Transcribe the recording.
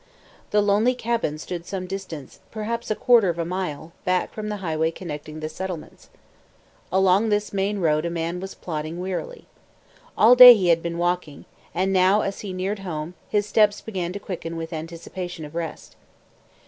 The lonely cabin stood some distance, perhaps a quarter of a mile, back from the highway connecting the settlements. Along this main road a man was plodding wearily. All day he had been walking, and now as he neared home his steps began to quicken with anticipation of rest.